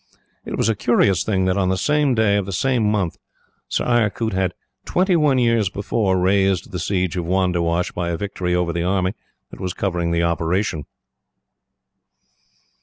It was a curious thing that, on the same day of the same month, Sir Eyre Coote had, twenty one years before, raised the siege of Wandiwash by a victory over the army that was covering the operation.